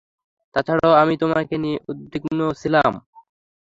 তাছাড়াও আমি তোমাকে নিয়ে উদ্বিগ্ন ছিলাম।